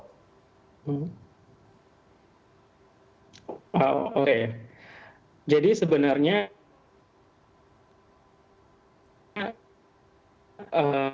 oke jadi sebenarnya